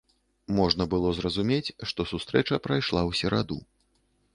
Можна было зразумець, што сустрэча прайшла ў сераду.